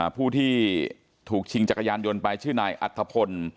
ผู้ที่ถูกชิงจักรยานยนต์ไปชื่อนายอัฐพล